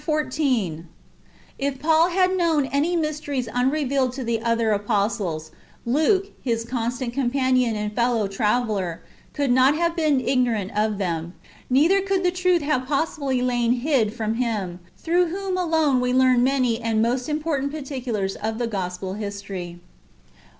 XIV. — If Paul had knoiun any mysteries iinrevealed to the other ajjostlesj Liike, his constant companion and feUoiv traveUery could not have been ignorant of them; neither coidd the truth have possibly lain hid from him, through ivhom alone ive learn many and most important particulars of the gospel history.